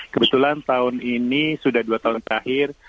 kebetulan tahun ini sudah dua tahun terakhir